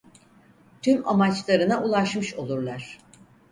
Tüm amaçlarına ulaşmış olurlar.